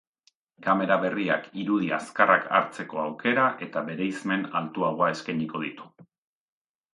Kamera berriak irudi azkarrak hartzeko aukera eta bereizmen altuagoa eskainiko ditu.